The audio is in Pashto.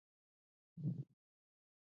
آیا فوتبال هم مینه وال نلري؟